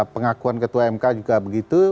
pengakuan ketua mk juga begitu